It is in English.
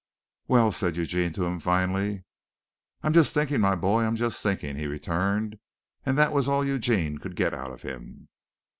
"Well?" said Eugene to him finally. "I'm just thinking, my boy! I'm just thinking!" he returned, and that was all Eugene could get out of him.